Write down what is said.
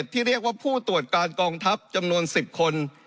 ที่เรียกว่าผู้ตรวจการกองทัพจำนวน๑๐คน